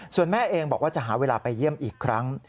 ส่วนแม่เองบอกว่าจะหาเวลาไปเยี่ยมอีกครั้ง